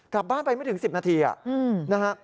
กลับบ้านไปไม่ถึง๑๐นาทีนะฮะ